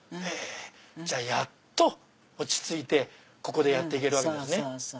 じゃあやっと落ち着いてここでやって行けるんですね。